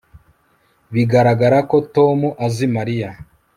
Bigaragara ko Tom azi Mariya